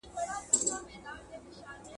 د خاوند او ميرمني تر منځ د بيليدو اسباب کوم دي؟